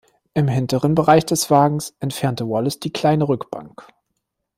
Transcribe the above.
Im hinteren Bereich des Wagens entfernte Wallace die kleine Rückbank.